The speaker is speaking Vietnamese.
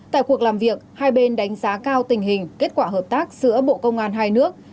tại cuộc làm việc hai bên đánh giá cao tình hình kết quả hợp tác giữa bộ công an hai nước